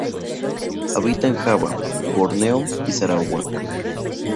Habita en Java, Borneo y Sarawak.